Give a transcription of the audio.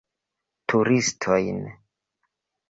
Turistojn.